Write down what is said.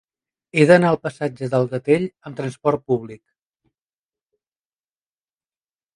He d'anar al passatge del Gatell amb trasport públic.